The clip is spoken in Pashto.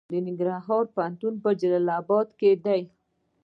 د ننګرهار پوهنتون په جلال اباد کې دی